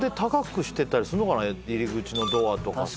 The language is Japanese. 入り口のドアとかさ。